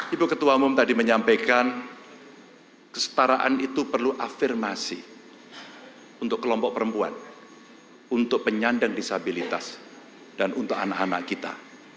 ibu ketua umum tadi menyampaikan kesetaraan itu perlu afirmasi untuk kelompok perempuan untuk penyandang disabilitas dan untuk anak anak kita